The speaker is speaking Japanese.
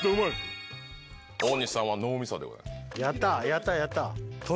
大西さんは脳みそでございます。